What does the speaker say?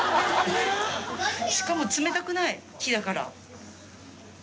しかも冷たくない木だから。